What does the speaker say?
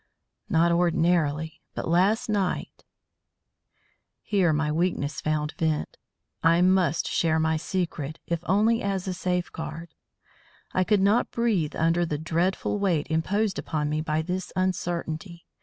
"Not ordinarily. But last night " Here my weakness found vent. I must share my secret, if only as a safeguard; I could not breathe under the dreadful weight imposed upon me by this uncertainty.